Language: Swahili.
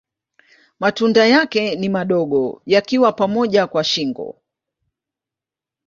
Matunda yake ni madogo yakiwa pamoja kwa shingo.